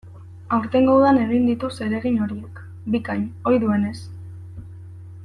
Aurtengo udan egin ditu zeregin horiek, bikain, ohi duenez.